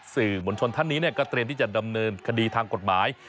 สื่อมวลชนท่านนี้ก็เตรียมที่จะดำเนินคดีทางกฎหมาย